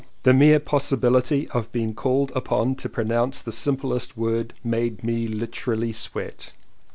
The mere possibility of being called upon to pronounce the simplest word made me literally sweat.